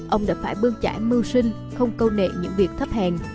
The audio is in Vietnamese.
ông đã phải bương trải mưu sinh không câu nệ những việc thấp hàng